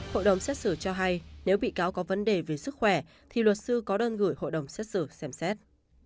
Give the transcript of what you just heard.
hội đồng xét xử cho hay nếu bị cáo có vấn đề về sức khỏe thì luật sư có đơn gửi hội đồng xét xử xem xét